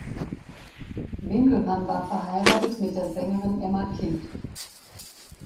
Winkelmann war verheiratet mit der Sängerin Emma Kind.